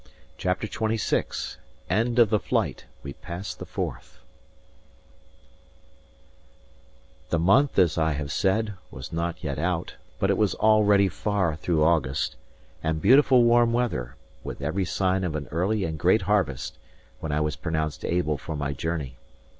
CHAPTER XXVI END OF THE FLIGHT: WE PASS THE FORTH The month, as I have said, was not yet out, but it was already far through August, and beautiful warm weather, with every sign of an early and great harvest, when I was pronounced able for my journey.